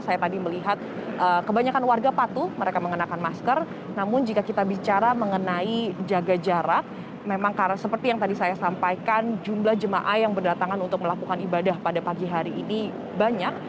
saya tadi melihat kebanyakan warga patuh mereka mengenakan masker namun jika kita bicara mengenai jaga jarak memang karena seperti yang tadi saya sampaikan jumlah jemaah yang berdatangan untuk melakukan ibadah pada pagi hari ini banyak